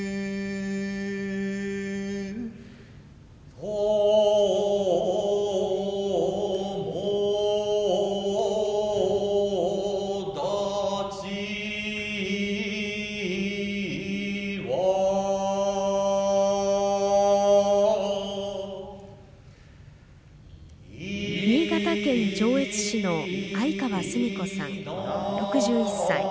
友だちは新潟県上越市の相川澄子さん、６１歳。